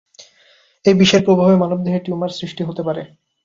এই বিষের প্রভাবে মানবদেহে টিউমার সৃষ্টি হতে পারে।